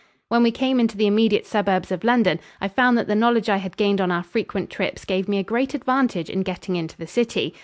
When we came into the immediate suburbs of London, I found that the knowledge I had gained on our frequent trips gave me a great advantage in getting into the city.